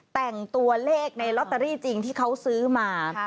แต่งตัวเลขในลอตเตอรี่จริงที่เขาซื้อมา